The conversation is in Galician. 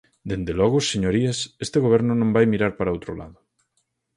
Dende logo, señorías, este goberno non vai mirar para outro lado.